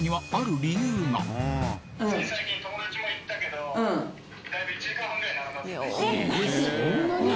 そんなに？